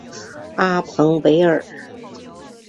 阿彭维尔。